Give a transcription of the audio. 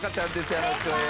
よろしくお願いします。